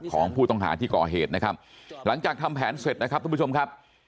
ของผู้ต้องหาที่ก่อเหตุนะครับหลังจากทำแผนเสร็จนะครับทุกผู้ชมครับ